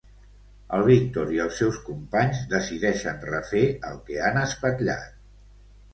El Víctor i els seus companys decideixen refer el que han espatllat.